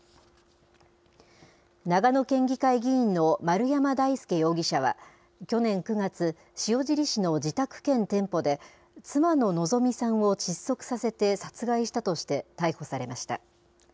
長野県議会議員の丸山大輔容疑者は、去年９月、塩尻市の自宅兼店舗で、妻の希美さんを窒息させて殺害したとして逮捕されました。